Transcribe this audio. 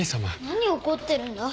何怒ってるんだ？